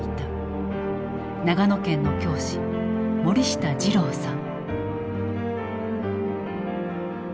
長野県の教師森下二郎さん。